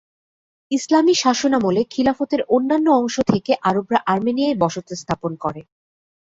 ইসলামী শাসনামলে খিলাফতের অন্যান্য অংশ থেকে আরবরা আর্মেনিয়ায় বসতি স্থাপন করে।